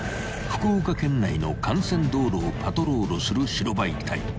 ［福岡県内の幹線道路をパトロールする白バイ隊］